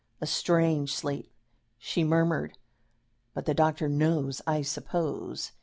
"A strange sleep," she murmured; "but the doctor knows, I suppose.